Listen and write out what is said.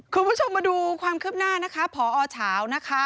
คุณผู้ชมมาดูความคืบหน้านะคะพอเฉานะคะ